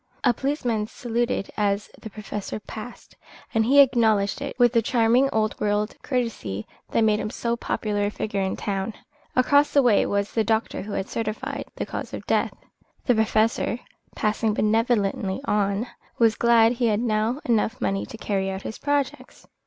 A policeman saluted as the Professor passed, and he acknowledged it with the charming old world courtesy that made him so popular a figure in the town. Across the way was the doctor who had certified the cause of death. The Professor, passing benevolently on, was glad he had now enough money to carry out his projects.